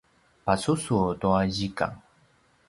pasusu tua zikang